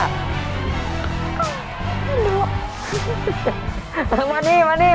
ก็ไม่รู้